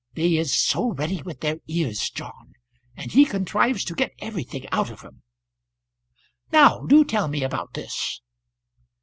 They is so ready with their ears, John; and he contrives to get everything out of 'em. Now do tell me about this."